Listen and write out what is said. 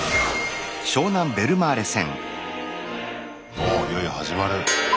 おっいよいよ始まる。